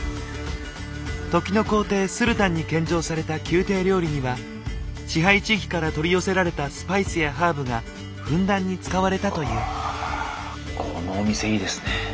時の皇帝スルタンに献上された宮廷料理には支配地域から取り寄せられたスパイスやハーブがふんだんに使われたという。